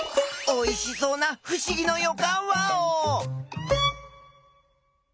おいしそうなふしぎのよかんワオ！